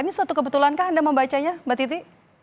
ini suatu kebetulankah anda membacanya mbak titi